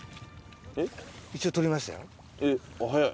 一応採れましたよ。